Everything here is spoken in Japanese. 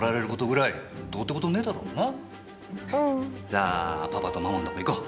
じゃあパパとママのとこ行こう。